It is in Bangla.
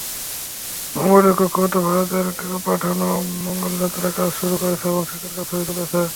মঙ্গলের কক্ষপথে ভারতের পাঠানো মঙ্গলযান কাজ শুরু করেছে এবং সেখানকার ছবি তুলেছে।